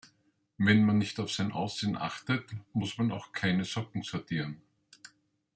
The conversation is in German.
Wenn man nicht auf sein Aussehen achtet, muss man auch keine Socken sortieren.